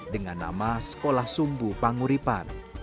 dengan nama sekolah sumbu panguripan